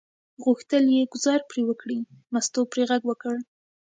غوښتل یې ګوزار پرې وکړي، مستو پرې غږ وکړ.